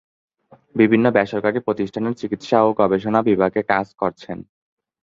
বিভিন্ন বেসরকারি প্রতিষ্ঠানের চিকিৎসা ও গবেষণা বিভাগে কাজ করছেন।